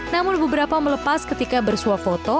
namun beberapa melepas ketika bersuah foto